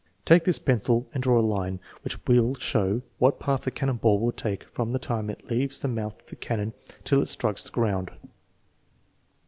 Take this pencil and draw a line which will show what path the cannon ball will take from the time it leaves the mouth of the cannon till it strikes the ground."